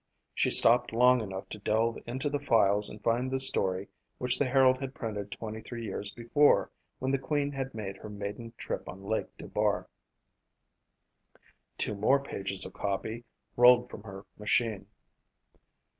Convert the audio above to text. She stopped long enough to delve into the files and find the story which the Herald had printed 23 years before when the Queen made her maiden trip on Lake Dubar. Two more pages of copy rolled from her machine.